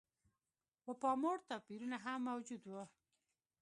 د پاموړ توپیرونه هم موجود و.